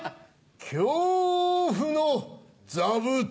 恐怖の座布団。